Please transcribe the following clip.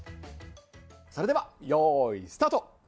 それではよーい、スタート！